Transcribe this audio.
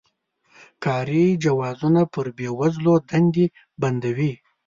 کاري جوازونه پر بې وزلو دندې بندوي.